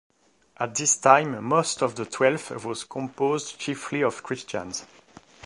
At this time, most of the Twelfth was composed chiefly of Christians.